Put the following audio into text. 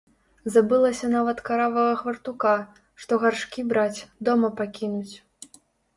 Забылася нават каравага хвартуха, што гаршкі браць, дома пакінуць.